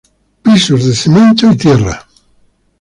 Pisos de cemento y tierra.